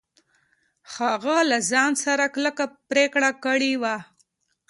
هغه له ځان سره کلکه پرېکړه کړې وه.